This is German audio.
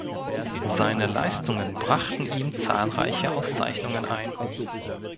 Seine Leistungen brachten ihm zahlreiche Auszeichnungen ein.